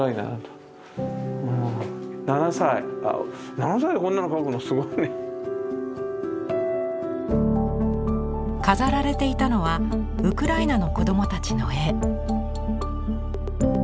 ７歳でこんなの描くのすごいね。飾られていたのはウクライナの子どもたちの絵。